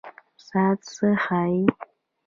ساعت څه ښيي؟